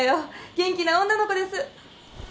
元気な女の子です。